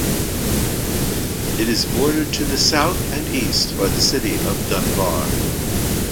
It is bordered to the south and east by the city of Dunbar.